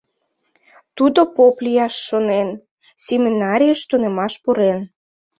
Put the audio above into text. Тудо поп лияш шонен, семинарийыш тунемаш пурен.